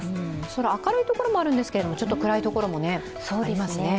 空、明るいところもあるんですがちょっと暗いところもありますね。